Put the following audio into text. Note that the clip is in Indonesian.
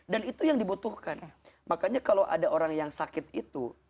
dan itu yang dibutuhkan makanya kalau ada orang yang sakit itu